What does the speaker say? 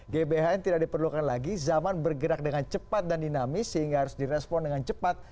gbhn tidak diperlukan lagi zaman bergerak dengan cepat dan dinamis sehingga harus direspon dengan cepat